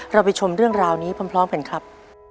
เราไปชมเรื่องราวนี้พร้อมกันครับ